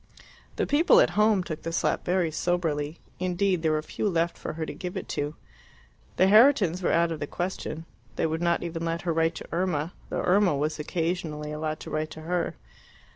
The people at home took the slap very soberly; indeed, there were few left for her to give it to. The Herritons were out of the question; they would not even let her write to Irma, though Irma was occasionally allowed to write to her.